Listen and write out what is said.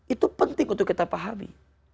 itu penting untuk kita pahami